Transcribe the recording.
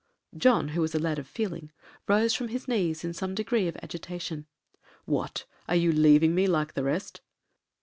John, who was a lad of feeling, rose from his knees in some degree of agitation. 'What, are you leaving me like the rest?'